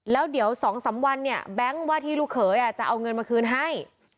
แล้วเดี๋ยว๒๓วันเนี่ยแบงค์ว่าที่ลูกเขยจะเอาเงินมาคืนให้